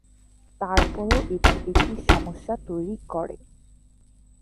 তারপরও এটি একটি সমস্যা তৈরি করে।